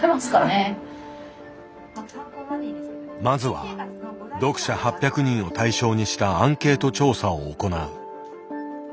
まずは読者８００人を対象にしたアンケート調査を行う。